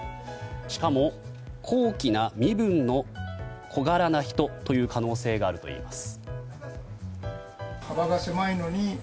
しかも、高貴な身分の小柄な人という可能性があるといいます。